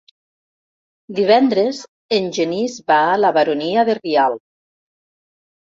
Divendres en Genís va a la Baronia de Rialb.